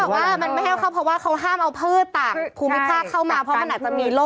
คิดว่ากล้วยไม้ไม่เป็นอะไร